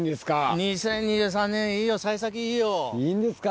２０２３年いいよ幸先いいよ。いいんですか！